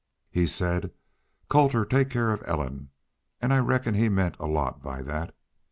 He said, 'Colter take care of Ellen,' an' I reckon he meant a lot by that.